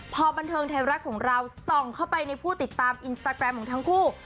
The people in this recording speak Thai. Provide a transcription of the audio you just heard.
พอบันเทิงไทยรัฐของเราส่องเข้าไปในผู้ติดตามอินสตาแกรมของทั้งคู่